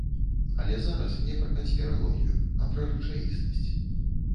Але зараз не пра канспіралогію, а пра рэчаіснасць.